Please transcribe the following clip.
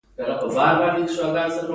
هغه هغې ته په درناوي د خزان کیسه هم وکړه.